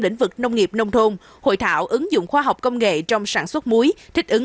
lĩnh vực nông nghiệp nông thôn hội thảo ứng dụng khoa học công nghệ trong sản xuất muối thích ứng